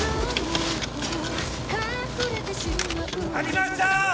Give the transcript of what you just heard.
ありました！